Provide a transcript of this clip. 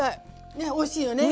ねおいしいよね！